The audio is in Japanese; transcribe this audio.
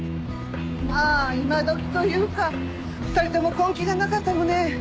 まあ今どきというか２人とも根気がなかったのね。